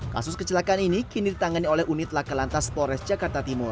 kasus kecelakaan ini kini ditangani oleh unit lakalantas tores jakarta timur